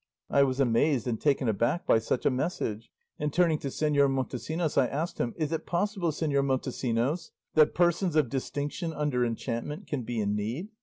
I was amazed and taken aback by such a message, and turning to Señor Montesinos I asked him, 'Is it possible, Señor Montesinos, that persons of distinction under enchantment can be in need?